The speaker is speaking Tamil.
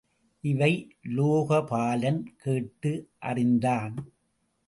இவை உலோகபாலன் கேட்டு அறிந்தான்.